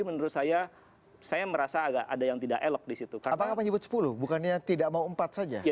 menurut saya saya merasa agak ada yang tidak elok disitu karena menyebut sepuluh bukannya tidak mau empat saja